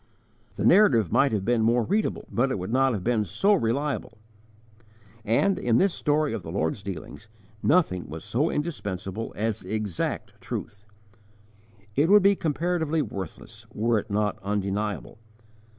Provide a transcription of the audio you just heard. The narrative might have been more readable, but it would not have been so reliable; and, in this story of the Lord's dealings, nothing was so indispensable as exact truth. It would be comparatively worthless, were it not undeniable.